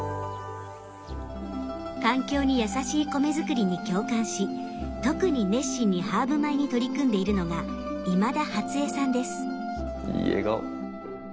環境に優しい米作りに共感し特に熱心にハーブ米に取り組んでいるのがいい笑顔。